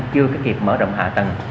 chưa có kịp mở động hạ tầng